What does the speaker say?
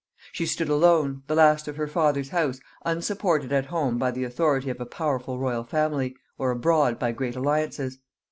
She stood alone, the last of her father's house, unsupported at home by the authority of a powerful royal family, or abroad by great alliances.